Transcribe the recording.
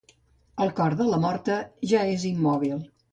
El cor de la morta ja és immòbil.